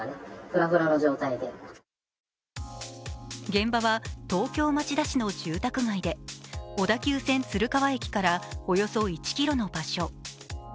現場は東京・町田市の住宅街で小田急線・鶴川駅からおよそ１ｋｍの場所。